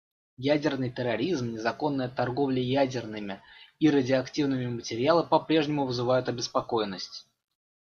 Ядерный терроризм, незаконная торговля ядерными и радиоактивными материалами попрежнему вызывают обеспокоенность.